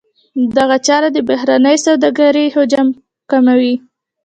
دغه چاره د بهرنۍ سوداګرۍ حجم کموي.